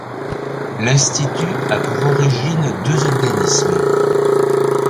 L’institut a pour origine deux organismes.